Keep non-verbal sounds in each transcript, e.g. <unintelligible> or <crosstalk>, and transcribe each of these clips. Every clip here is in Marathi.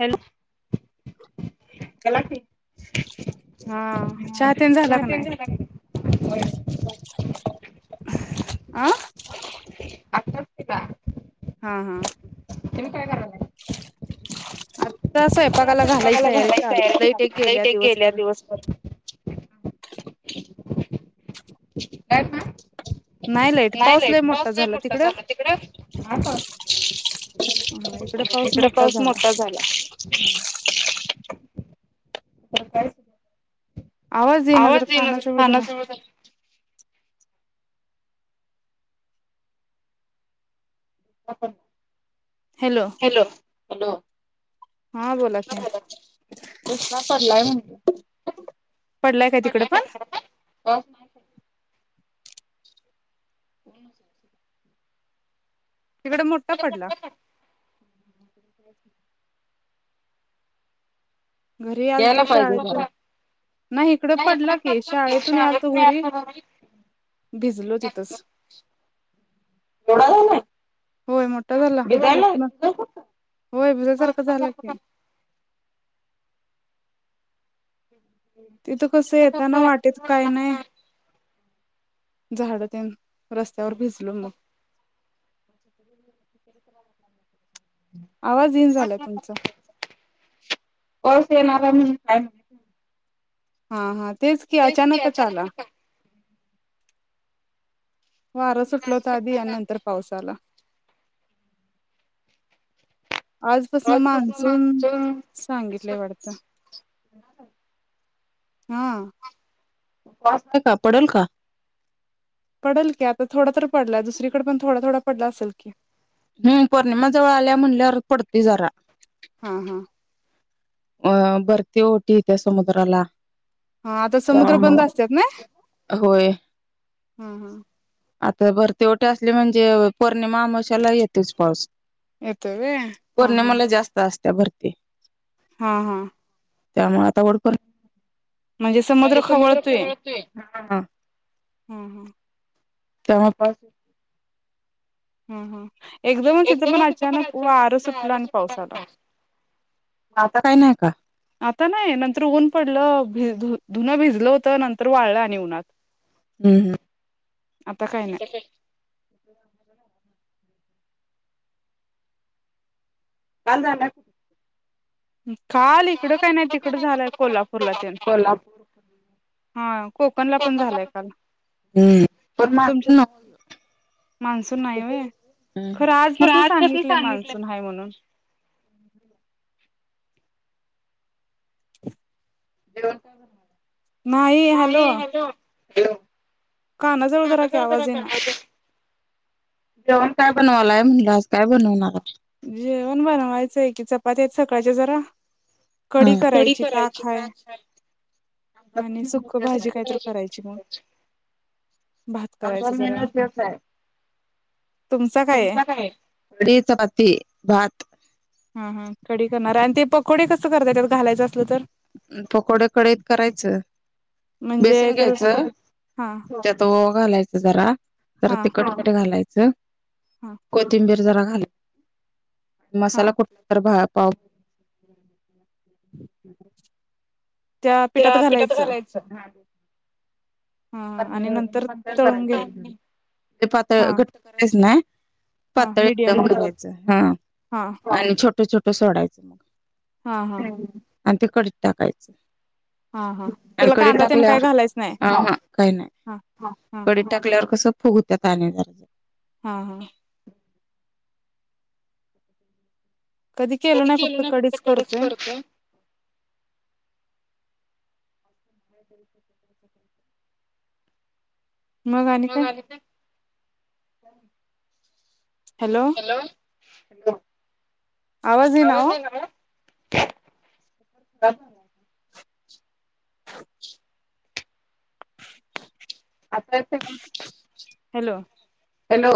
हॅलो बोला की हा चहा तेन झाला का नाही हो आ आताच निघा हा हा तू काय करालाईस आक्का साहेब स्वयपाकाला घालायचाय तयारी चालू आहे लईट एक गेल्या दिवसभर काय काय नाही लाईट पाऊस लय मोठा चालू आहे तिकडें नाही पाऊस इकडे पाऊस मोठा झाला हो काय आवाज ये ना जरा कानाजवळ जरा हॅलो हॅलो हा बोला की दुसरा पडलाय म्हणजे पडलाय काय तिकड पण ह तिकडे मोठा पडला अ घरी आलतू शाळेतून नाही इकडं पडला की शाळेतून याल तू घरी भिजलो तीथच होय मोठा झाला मग होय बुझ्यासारखं झालं कि हम् तिथं कसं येताना वाटेत काही नाही झाडं तेन रस्त्यावर भिजलो मग आवाज येन झालाय तुमचा पर्स येणार म्हणून काय म्ह हा हा तेच कि अचानकच आला वारं सुटल होत आधी आणि नंतर पाऊस आला आजपासून मान्सून सांगितलंय वाटतं हा वाटतं का पडेल का पडलं की आता थोडा तर पडलाय दुसरीकडे पण थोडा थोडा पडला असलं की हम् पौर्णिमा जवळ आल्या म्हणल्यावर पडतोय जरा हा हा अ भरती ओहोटी येत्या समुद्राला ह आता समुद्र बंद असतात ना हा हा आता भरती ओहोटी असली म्हणजे पौर्णिमा अमावस्याला येतोच पाऊस पौर्णिमाला जास्त असतोय त्या भरती हा हा त्यामुळे आता वटपौर्णिमा म्हणजे समुद्र खवळतोय तेव्हापण हम हम एकदमच इथं पण अचानक वार सुटलं आणि पाऊस आला आता काही नाही आता नाही नंतर ऊन पडलं भि धुनं भिजलं होतं नंतर वाळलं आणि उन्हात हम्म हम् काल झा काल इकडं काही नाही तिकडं झालंय कोल्हापूरला ते हा कोकणला पण झालंय काल तुमच्या मान्सून नाही व खरं आजपासून सांगितलंय मान्सून ह म्हणून <unintelligible> जवण काय ब मला <unintelligible> नाही हॅलो हॅलो का न जर उधर क आवाज ये ना जेवण काय बनवायलाय म्हणलं आज काय बनवणार जेवण बनवायचंय की चपाती आहेतेत सकाळच्या जरा हा कडी करायची पा ठ <unintelligible> आमचा मेनूस ववसा आहे तुमचा काय हडी चपाती भात हा हा कडी करणार आणि ते पकोडे कस करताय त्यात घालायचं असलं तर पकोड कडत करायचं बेसन घ्यायचं त्यातो घाला ज ज तट घालायच कोथिंबीर ा मसाला कुठला तर पाव हम् <unintelligible> त्या पिठात घायलाच पात पळ करायचं पातळ घट्ट करायचं ना पातळ एकदम भरायचं हा आणि छोट छोट सोडायचं मग आणि ते कडीत टाकायचं अ कडी टाकल्या ह हा काही नाही कडीत टाकल्यावर कसं फुग होत्या आजारा हा हा कधी केलं नाही फक्त कधीच करतेय मग काणी काय हॅलो आवाज ये नाव खराब <unintelligible> <unintelligible> आता हॅलो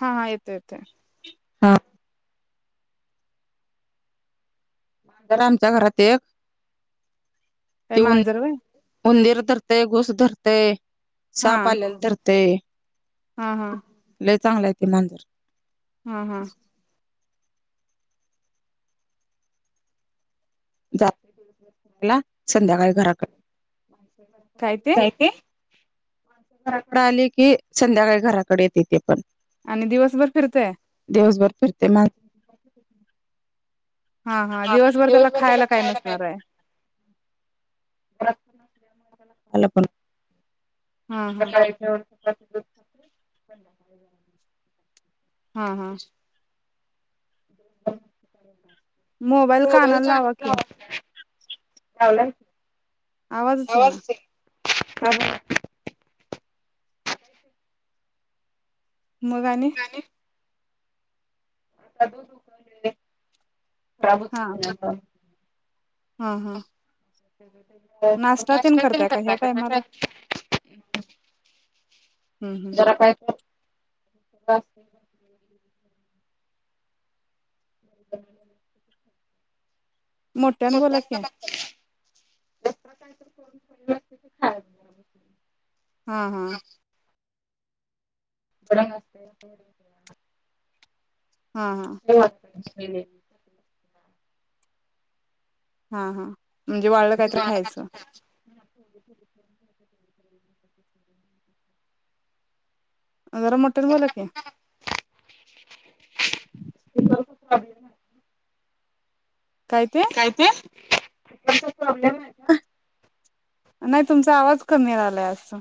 हा हा येते येते हा मांदर आमच्या घरात एक ती उ उंदीर धरते घुस धरते साप आल्यान धरते हा हा चांगला आहेेते मांजर हम्म हम् जला संध्याकाळी घराकडे मा घराकडे आली कि संध्याकाळी घराकडे येते ते पण आणि दिवसभर फिरतेय दिवसभर फिरते माझ हा दिवसभर तर लक्षयला काय पण <unintelligible> हा हा गोबल चां जावलं आवाजच आहे ना ह मगणे आब होते हम हा प करताणार का जरा काय कर ब ह दत काहीत कर खा हम् हम् बेस्ते <unintelligible> हा हा म्हणजे वाळलं कायत खायचं <unintelligible> अरा मटन बला क प्रबले काय ते प्रॉब्लेम आहे ना नाही तुमचा आवाज कमी राहिलाय असं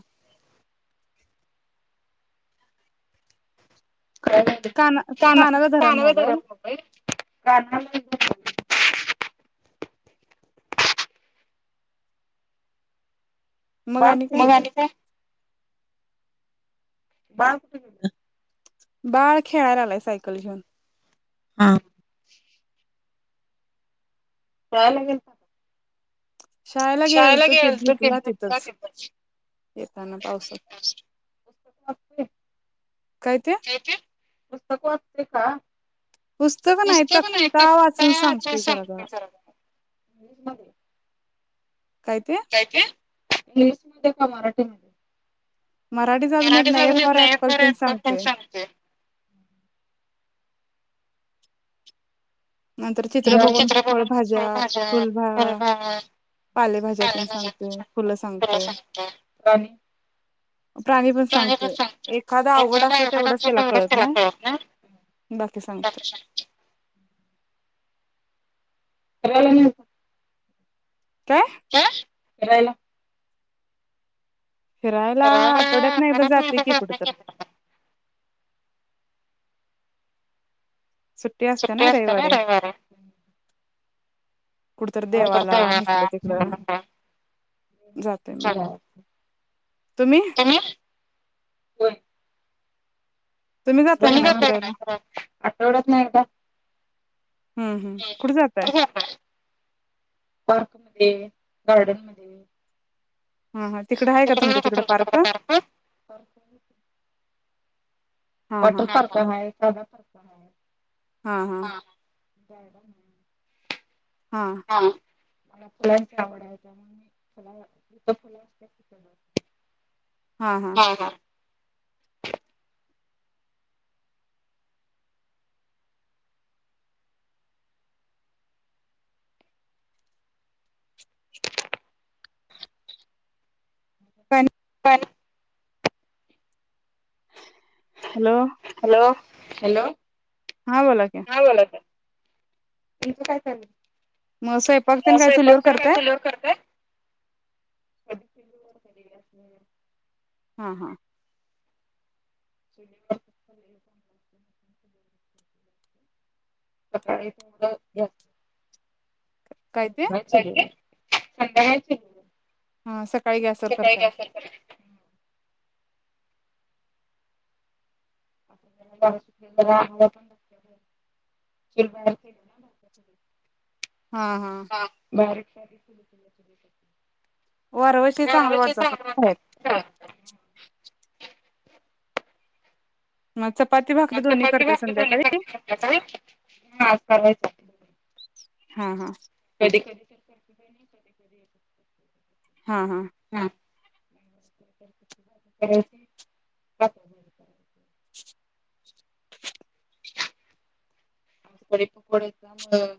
नानाव का बाळ खू मगाणीचे बा कुठ बाळ खेळायला आलाय सायकल घेऊन हा ले गे शालाग हतो ति का ति पुस्तकत पुस्तक वात का दिसत प नाही पक् का सांगतो जरा इजमध्येध्ये काय इंग्लिश मध्ये का मराठी म मराठी अजून येत नाही ए फर आहेत पल तन सांगते नंतर चित्र बघून फळ भाज्या फुलभा पालेभाज्यातून सांगतेोय फुलं सांगतय प्राणी पण सांगतोय एखादा आवड असल तेवढंच त्याला कळत ना बाकी सांगित कराला नाही हा फरायला फिरायला आठवड्यात नाही एकदा जाते की कुठं तर सुट्ट्या असत्याना रविवारी. <inaudible> <unintelligible> चला <inaudible> तुम्ही. होय. आठवड्यात नाही का? हम्म, हम्म, कुठ जातंय? पार्क मदे, गार्डन मदे. <inaudible> हा हा तिकडं आहे का तुमच्या तिकड पार्क. <inaudible> वॉटर पार्क हाय सादा पार्क हाय. हा, हा. डॅडा नाही. <inaudible> हा. मला फुलांची आवड आहे त्यामुळ मी फुल जिथं फुलं असत्यात तिथं जाते. हा, हा. <inaudible> पण <unintelligible> हॅलो. हॅलो. हा बोला की तुमचं काय चालू आस हे बघतान काय चुलीवर करताय? <inaudible> चुलीवर कधी गॅस वर <unintelligible> हा, हा. चुलीवर <inaudible> सकाळी तेवढं गॅस वर <unintelligible> संध्याकाळी चुलीवर. <inaudible> सकाळी गॅस वर करते. <inaudible> आपल्याला <unintelligible> सुखी आम्हाला पण दुःखी चूल बारकी हे ना भाजत नाही. <inaudible> हा बारकी <unintelligible> <inaudible> <unintelligible> आज <unintelligible> भाकरी खाल्ल्या सारखं खातासा होय. हा, हा. ते कणी कधीकधी येतं. हा, हा. <unintelligible> <inaudible> <inaudible> आज कढी-पकोडे त्यामुळं.